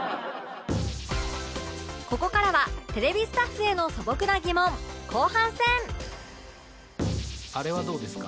ここからはテレビスタッフへの素朴な疑問後半戦あれはどうですか？